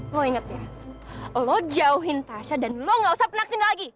lo inget ya lo jauhin tasya dan lo nggak usah penaksin lagi